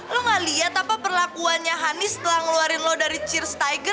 lo gak liat apa perlakuannya hany setelah ngeluarin lo dari cheers tiger